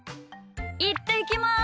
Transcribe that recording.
いってきます！